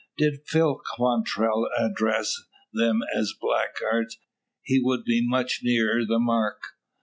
Did Phil Quantrell address them as "blackguards," he would be much nearer the mark.